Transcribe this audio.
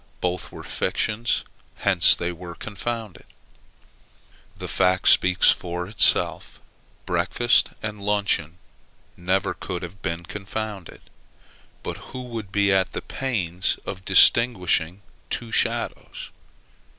Both were fictions. Hence they were confounded. That fact speaks for itself, breakfast and luncheon never could have been confounded; but who would be at the pains of distinguishing two shadows?